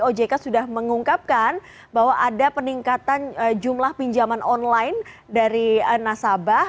ojk sudah mengungkapkan bahwa ada peningkatan jumlah pinjaman online dari nasabah